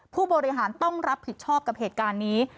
ผู้บริหารต้องรับผิดชอบกับเหตุการณ์นี้